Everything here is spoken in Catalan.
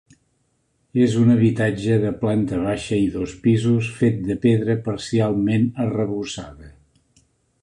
És un habitatge de planta baixa i dos pisos fet de pedra parcialment arrebossada.